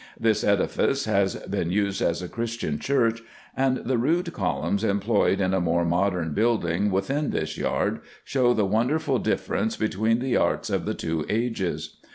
This edifice has been used as a Christian church ; and the rude columns, employed in a more modern building within this yard, show the wonderful difference between the arts of the two ages.